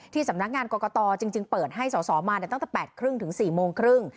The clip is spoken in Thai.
สำนักงานกรกตจริงเปิดให้สอสอมาตั้งแต่๘๓๐ถึง๔โมงครึ่ง